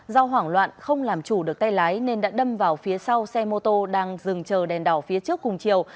do hoảng loạn không làm chủ được tay lái nên đã đâm vào phía sau xe mô tô đang dừng chờ đèn đỏ phía trước cùng chiều